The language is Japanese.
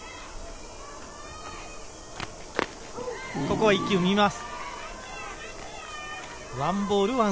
ここは一球見ます。